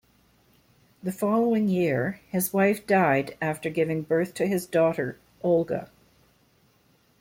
The following year, his wife died after giving birth to his daughter, Olga.